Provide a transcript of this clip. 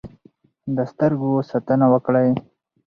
د سترګو ساتنه وکړئ.